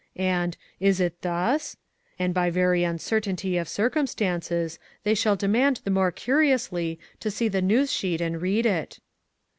And, 'Is it thus?' and by very uncertainty of circumstances, they shall demand the more curiously to see the news sheet and read it."